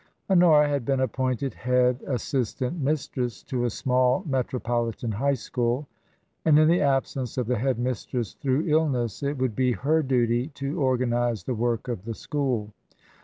Honora had been appointed head as sistant mistress to a small metropolitan high school, and in the absence of the head mistress through illness, it would be her duty to organize the work of the school.